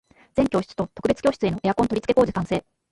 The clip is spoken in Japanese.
全教室と特別教室へのエアコン取り付け工事完成